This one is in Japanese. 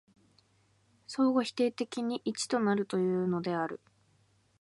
相互否定的に一となるというのである。